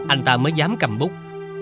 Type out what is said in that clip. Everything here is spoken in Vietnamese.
anh ta mới dám cầm bút